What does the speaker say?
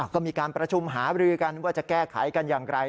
ก็มีการประชุมหาบรือกันว่าจะแก้ไขกันอย่างไร